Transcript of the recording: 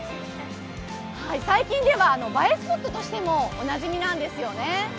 最近では、映えスポットとしてもおなじみなんですよね。